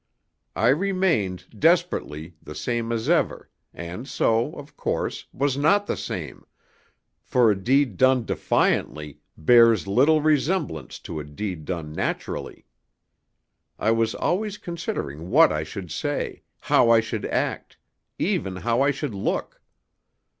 I remained, desperately, the same as ever, and so, of course, was not the same, for a deed done defiantly bears little resemblance to a deed done naturally. I was always considering what I should say, how I should act, even how I should look.